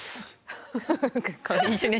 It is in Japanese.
一緒に。